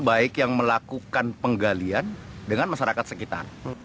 baik yang melakukan penggalian dengan masyarakat sekitar